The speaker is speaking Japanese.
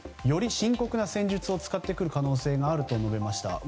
より深刻な戦術を使ってくる可能性があると述べました。